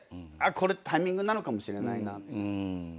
これタイミングなのかもしれないなって。